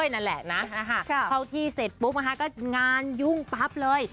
นั่นแหละนะเข้าที่เสร็จปุ๊บนะคะก็งานยุ่งปั๊บเลย